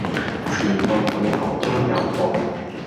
善惡到頭終有報